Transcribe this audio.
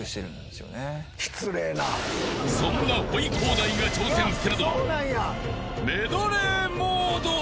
［そんなほい航大が挑戦するのは］